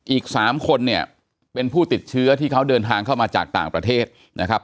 อีก๓คนเนี่ยเป็นผู้ติดเชื้อที่เขาเดินทางเข้ามาจากต่างประเทศนะครับ